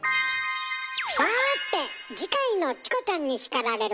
さて次回の「チコちゃんに叱られる！」